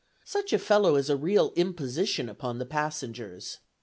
Such a fellow is a real imposition upon the passengers.